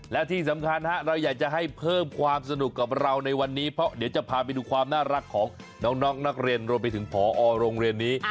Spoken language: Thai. และที่สำคัญเราอยากจะให้เพิ่มความสนุกกับเราในวันนี้เพราะเดี๋ยวจะพาไปดูความน่ารักของน้องนักเรียนรวมไปถึงผอโรงเรียนนี้